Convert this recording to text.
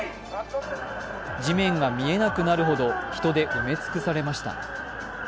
地面が見えなくなるほど人で埋め尽くされました。